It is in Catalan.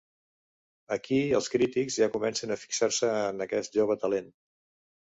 Aquí els crítics ja comencen a fixar-se en aquest jove talent.